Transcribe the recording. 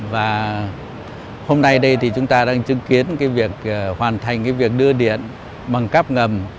và hôm nay đây thì chúng ta đang chứng kiến việc hoàn thành việc đưa điện bằng cắp ngầm